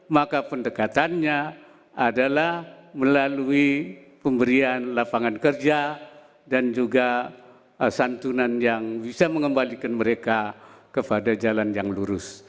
maka pendekatannya adalah melalui pemberian lapangan kerja dan juga santunan yang bisa mengembalikan mereka kepada jalan yang lurus